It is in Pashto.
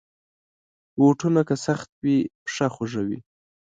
بوټونه که سخت وي، پښه خوږوي.